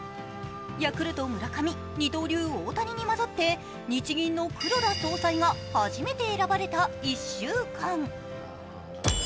ヤクルト・村上、二刀流・大谷に混ざって、日銀の黒田総裁が初めて選ばれた１週間。